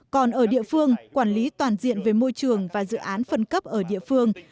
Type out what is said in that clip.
còn ở địa phương quản lý toàn diện về môi trường và dự án phân cấp ở địa phương